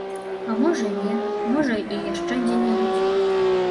А можа і не, можа і яшчэ дзе-небудзь.